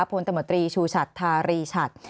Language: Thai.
ตมตรีชูชัดทารีชัด